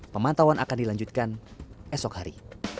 pemantauan akan dilanjutkan esok hari